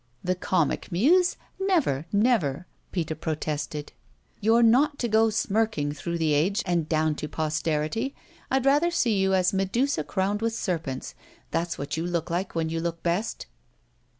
"The Comic Muse? Never, never," Peter protested. "You're not to go smirking through the age and down to posterity I'd rather see you as Medusa crowned with serpents. That's what you look like when you look best."